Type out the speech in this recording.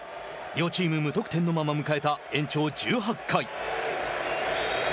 両チーム無得点のまま迎えた延長１８回。